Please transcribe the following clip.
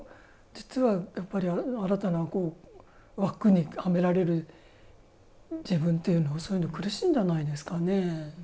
実は新たな枠にはめられる自分っていうのは苦しいんじゃないですかね。